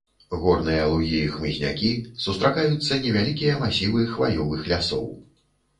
Горныя лугі і хмызнякі, сустракаюцца невялікія масівы хваёвых лясоў.